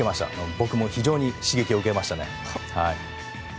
僕も非常に刺激を受けましたね。